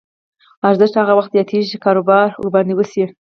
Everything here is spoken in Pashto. ارزښت هغه وخت زیاتېږي چې کار ورباندې وشي